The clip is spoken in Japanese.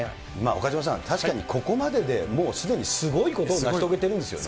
岡島さん、確かにここまででもうすでにすごいことを成し遂げてるんですよね。